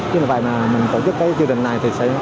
cho nên mình tổ chức chương trình này